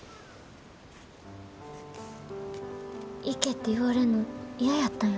行けって言われんの嫌やったんや。